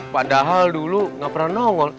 padahal dulu nggak pernah nongol